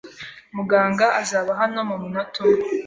Muganga azaba hano mumunota umwe.